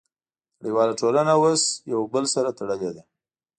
نړیواله ټولنه اوس یو بل سره تړلې ده